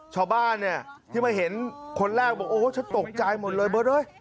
ชาวบ้านเนี่ยที่มาเห็นคนแรกบอกโอ้ฉันตกใจหมดเลยเบิร์ตเอ้ย